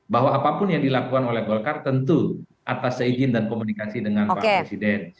bahwa apapun yang dilakukan oleh golkar tentu atas seizin dan komunikasi dengan pak presiden